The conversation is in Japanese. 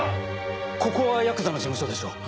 ここはヤクザの事務所でしょ？